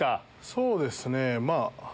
そうですねまぁ。